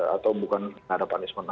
atau bukan nggak ada punishment